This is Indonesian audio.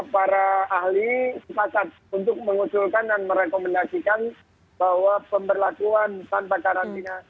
para ahli sepakat untuk mengusulkan dan merekomendasikan bahwa pemberlakuan tanpa karantina